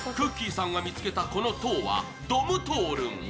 さんが見つけたこの塔はドムトールン。